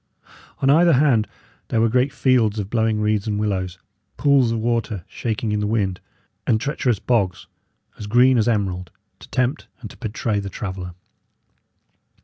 On either hand there were great fields of blowing reeds and willows, pools of water shaking in the wind, and treacherous bogs, as green as emerald, to tempt and to betray the traveller.